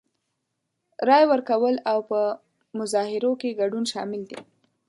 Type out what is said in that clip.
رای ورکول او په مظاهرو کې ګډون شامل دي.